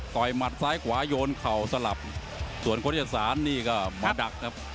หมัดซ้ายขวาโยนเข่าสลับส่วนคนที่สารนี่ก็มาดักครับ